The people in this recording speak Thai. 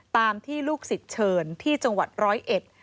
ตามที่ลูกศิษย์เชิญที่จังหวัดร้อยเอ็ด